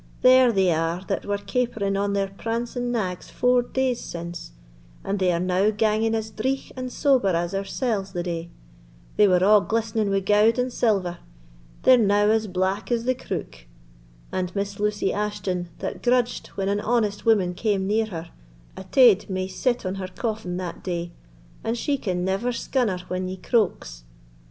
There they are that were capering on their prancing nags four days since, and they are now ganging as dreigh and sober as oursells the day. They were a' glistening wi' gowd and silver; they're now as black as the crook. And Miss Lucy Ashton, that grudged when an honest woman came near her—a taid may sit on her coffin that day, and she can never scunner when he croaks.